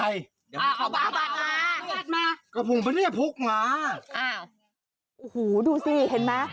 โอ้โหดูสิเห็นไหม